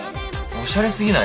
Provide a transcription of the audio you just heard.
おしゃれすぎない？